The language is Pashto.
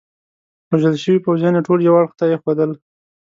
وژل شوي پوځیان يې ټول یوه اړخ ته ایښودل.